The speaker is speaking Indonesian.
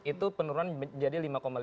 itu penurunan jadi lima lima